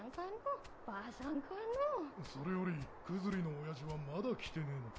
・それよりクズリの親父はまだ来てねえのか？